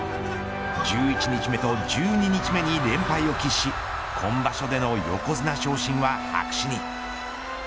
１１日目と１２日目に連敗を喫し今場所での横綱昇進は白紙に。